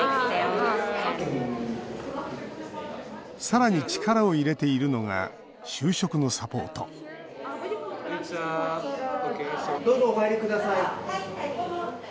さらに力を入れているのが就職のサポートどうぞ、お入りください。